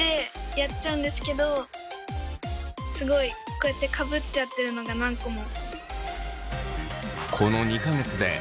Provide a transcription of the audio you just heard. こうやってかぶっちゃってるのが何個も。